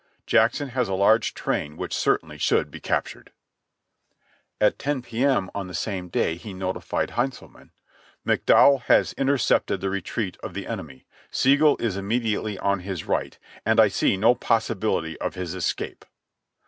Jackson has a large train which certainly should be captured." At 10 P. M. of the same day he notified Heintzelman: "Mc Dowell has intercepted the retreat of the enemy. Sigel is im^ mediately on his right, and I see no possibility of his escape."